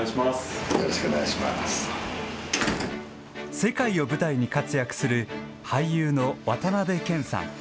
世界を舞台に活躍する俳優の渡辺謙さん。